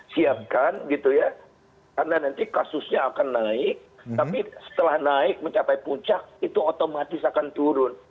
siapkan gitu ya karena nanti kasusnya akan naik tapi setelah naik mencapai puncak itu otomatis akan turun